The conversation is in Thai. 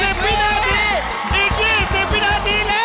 วินาทีอีก๒๐วินาทีแล้ว